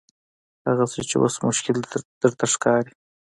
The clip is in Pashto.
هغه څه چې اوس مشکل درته ښکاري.